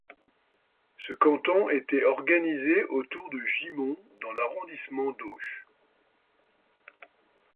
Ce canton était organisé autour de Gimont dans l'arrondissement d'Auch.